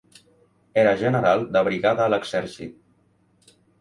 Era general de brigada a l'exèrcit.